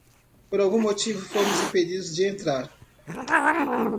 Por algum motivo,? fomos impedidos de entrar.